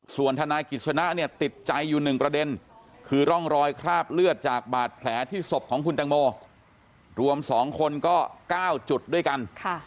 ส่วนทนายกิจสนะเนี่ยติดใจอยู่๑ประเด็นคือร่องรอยคราบเลือดจากบาดแผลที่ศพของคุณตังโมรวม๒คนก็๙จุดด้วยกัน